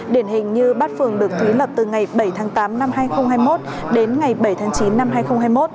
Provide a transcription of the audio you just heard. điển hình như bát phường được thí lập từ ngày bảy tháng tám năm hai nghìn hai mươi một đến ngày bảy tháng chín năm hai nghìn hai mươi một